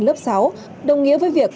lớp sáu đồng nghĩa với việc